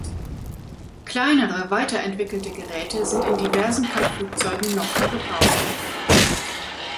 Kleinere weiterentwickelte Geräte sind in diversen Kampfflugzeugen noch im Gebrauch.